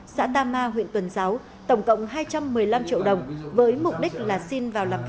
xã tama huyện tuần giáo tổng cộng hai trăm một mươi năm triệu đồng với mục đích là xin vào lập